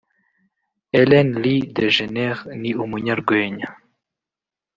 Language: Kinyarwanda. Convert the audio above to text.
Ellen Lee DeGeneres ni umunyarwenya